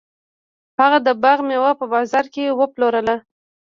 هغه د باغ میوه په بازار کې وپلورله.